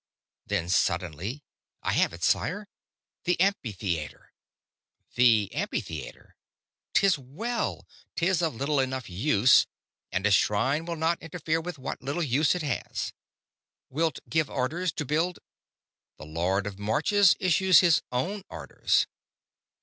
Then, suddenly: "I have it, sire the amphitheater!" "The amphitheater? 'Tis well. 'Tis of little enough use, and a shrine will not interfere with what little use it has." "Wilt give orders to build...?" "The Lord of the Marches issues his own orders.